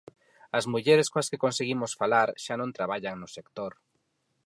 As mulleres coas que conseguimos falar xa non traballan no sector.